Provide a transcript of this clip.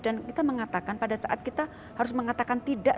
dan kita mengatakan pada saat kita harus mengatakan tidak